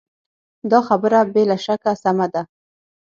دا خبره بې له شکه سمه ده.